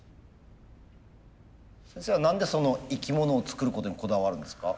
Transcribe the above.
先生は何で生き物を作ることにこだわるんですか？